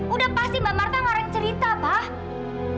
udah pasti mbak marta ngeren cerita pak